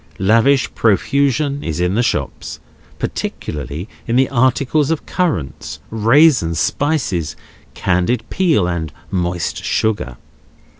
Lavish profusion is in the shops: particularly in the articles of currants, raisins, spices, candied peel, and moist sugar.